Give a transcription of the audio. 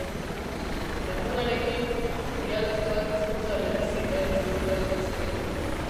Denborarekin, dialektoak hizkuntza berezi berri bihur daitezke.